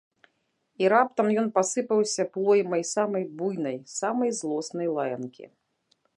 І раптам ён пасыпаўся плоймай самай буйнай, самай злоснай лаянкі.